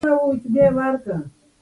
غریب ته محبت کور دی